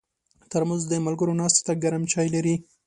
ترموز د ملګرو ناستې ته ګرم چای لري.